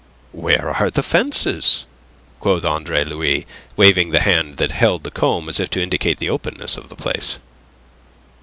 "Where are the fences?" quoth Andre Louis, waving the hand that held the comb, as if to indicate the openness of the place.